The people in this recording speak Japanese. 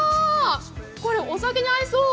これ、お酒に合いそう。